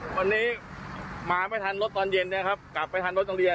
วันนี้มาไม่ทันรถตอนเย็นแล้วกลับไปทันรถอโรงเรียน